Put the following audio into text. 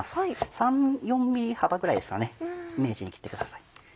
３４ｍｍ幅ぐらいですかね切ってください。